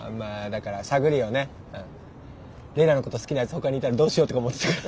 れいらのこと好きなやつほかにいたらどうしようとか思ってたから。